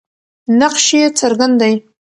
نقش یې څرګند دی.